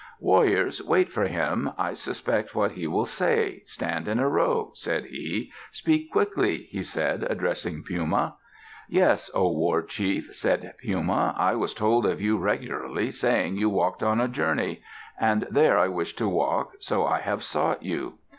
"Warriors, wait for him. I suspect what he will say. Stand in a row," said he. "Speak quickly," he said, addressing Puma. "Yes, O war chief," said Puma. "It was told of you regularly, saying you walked on a journey. And there I wish to walk, so I have sought you."